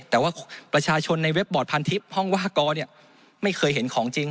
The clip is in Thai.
แต่ว่าประชาชนในเว็บบอร์ดพันทิพย์ห้องว่ากอเนี่ยไม่เคยเห็นของจริง